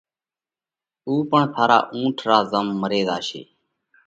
اُو پڻ ٿارا اُونٺ را زم مري زاشي۔